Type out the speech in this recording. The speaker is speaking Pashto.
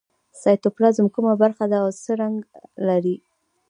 سایتوپلازم کومه برخه ده او څه رنګ لري